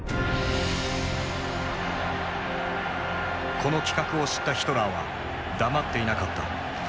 この企画を知ったヒトラーは黙っていなかった。